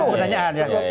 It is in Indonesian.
dua puluh pertanyaan ya